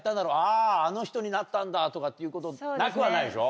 ああの人になったんだとかっていうことなくはないでしょ？